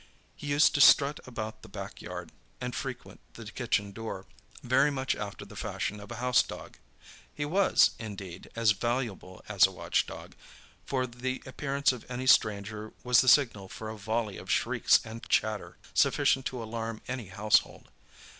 He used to strut about the back yard, and frequent the kitchen door, very much after the fashion of a house dog. He was, indeed, as valuable as a watch dog, for the appearance of any stranger was the signal for a volley of shrieks and chatter, sufficient to alarm any household.